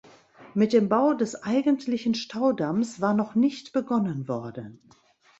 Mit dem Bau des eigentlichen Staudamms war noch nicht begonnen worden.